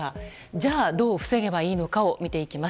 じゃあ、どう防げばいいのかを見ていきます。